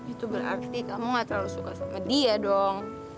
itu berarti kamu gak terlalu suka sama dia dong